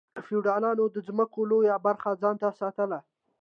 فیوډالانو د ځمکو لویه برخه ځان ته ساتله.